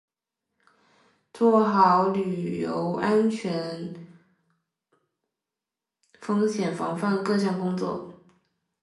做好旅游安全风险防范各项工作